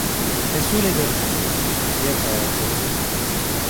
"Mesul ederim!" diye bağırdı.